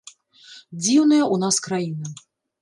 Дзіўная ў нас краіна.